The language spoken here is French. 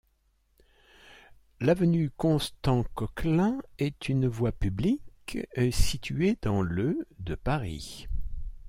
L'avenue Constant-Coquelin est une voie publique située dans le de Paris.